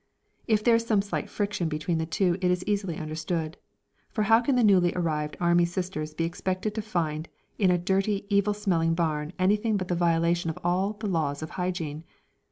If there is some slight friction between the two it is easily understood, for how can the newly arrived Army sisters be expected to find in a dirty, evil smelling barn anything but the violation of all the laws of hygiene?